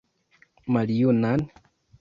Maljunan?